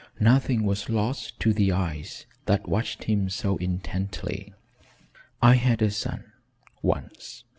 Nothing was lost to the eyes that watched him so intently. "I had a son once.